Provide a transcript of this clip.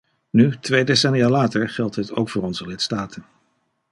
Nu, twee decennia later, geldt dit ook voor onze lidstaten.